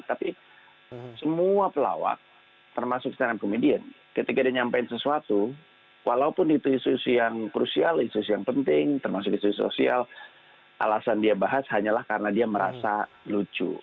tapi semua pelawak termasuk stand up comedian ketika dia nyampein sesuatu walaupun itu isu isu yang krusial isu isu yang penting termasuk isu isu sosial alasan dia bahas hanyalah karena dia merasa lucu